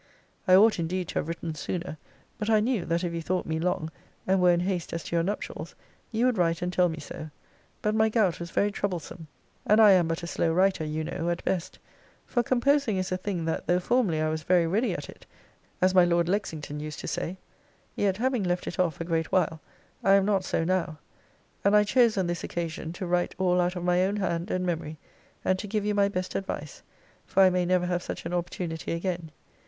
I ought indeed to have written sooner. But I knew, that if you thought me long, and were in haste as to your nuptials, you would write and tell me so. But my gout was very troublesome: and I am but a slow writer, you know, at best: for composing is a thing that, though formerly I was very ready at it, (as my Lord Lexington used to say,) yet having left it off a great while, I am not so now. And I chose, on this occasion, to write all out of my own hand and memory; and to give you my best advice; for I may never have such an opportunity again.